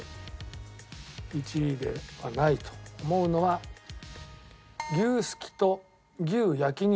１位ではないと思うのは牛すきと牛焼肉